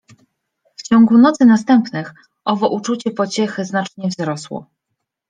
W ciągu nocy następnych owo uczucie pociechy znacznie wzrosło.